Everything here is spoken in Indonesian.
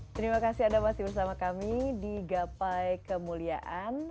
terima kasih anda masih bersama kami di gapai kemuliaan